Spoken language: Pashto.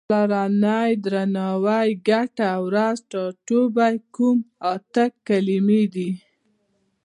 پلرنی، درناوی، ګټه، ورځ، ټاټوبی، کوم او ته کلمې دي.